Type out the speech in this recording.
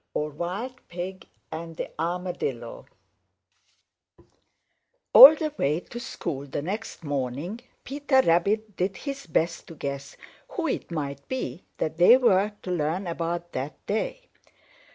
CHAPTER XXXIX Piggy and Hardshell All the way to school the next morning Peter Rabbit did his best to guess who it might be that they were to learn about that day.